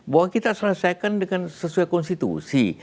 bahwa kita selesaikan dengan sesuai konstitusi